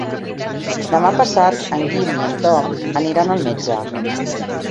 Demà passat en Guim i en Tom aniran al metge.